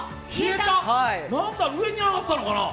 何だろう、上に上がったのかなあ。